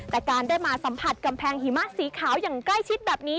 แต่การได้มาสัมผัสกำแพงหิมะสีขาวอย่างใกล้ชิดแบบนี้